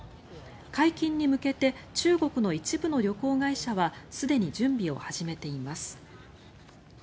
解禁に向けて中国の一部の旅行会社はすでに準備を始めています。